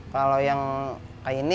kalau yang seperti ini